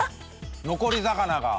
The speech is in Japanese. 残り魚が。